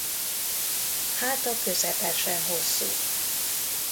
Háta közepesen hosszú.